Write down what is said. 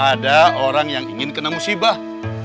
ada orang yang ingin kena musibah